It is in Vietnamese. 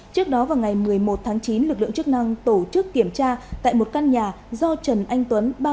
trước đó vào ngày một mươi một tháng chín lực lượng chức năng tổ chức kiểm tra tại một căn nhà do trần anh tuấn